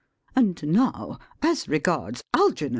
And now, as regards Algernon!